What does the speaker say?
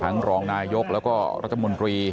รองนายกแล้วก็รัฐมนตรี